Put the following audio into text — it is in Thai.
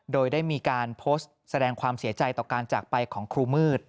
โดยได้มีการโพสต์แสดงความเสียใจต่อการจากไปของครูมืด